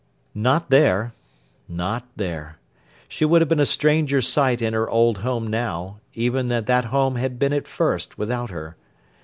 Not there. Not there. She would have been a stranger sight in her old home now, even than that home had been at first, without her.